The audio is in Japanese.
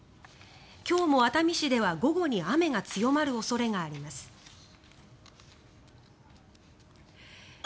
今日も熱海市では午後に雨が強まる恐れがあります。